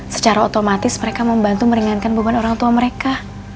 secara otomatis mereka membantu meringankan beban orang tua mereka